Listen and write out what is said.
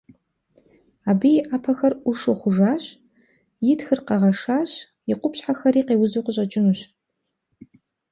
Абы и Ӏэпэхэр Ӏушэ хъужащ, и тхыр къэгъэшащ, и къупщхьэхэри къеузу къыщӀэкӀынущ.